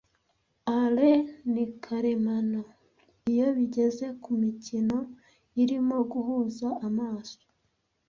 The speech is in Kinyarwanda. Alain ni karemano iyo bigeze kumikino irimo guhuza amaso.